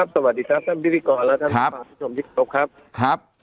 สวัสดีครับท่านมิติขรและท่านบาปประจำยิทโกคะครับ